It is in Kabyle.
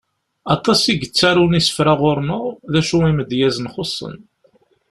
Aṭas i yettarun isefra ɣur-neɣ, d acu imedyazen xuṣṣen.